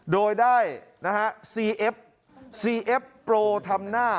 โดยได้นะฮะซีเอฟซีเอฟโปรทำหน้า